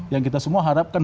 yang kita semua harapkan